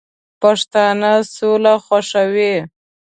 پښتانه سوله خوښوي